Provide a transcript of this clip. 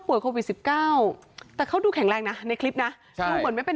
โควิด๑๙แต่เขาดูแข็งแรงนะในคลิปนะดูเหมือนไม่เป็น